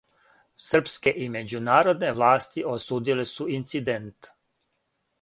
Српске и међународне власти осудиле су инцидент.